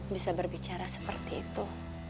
bisa berbicara seperti itu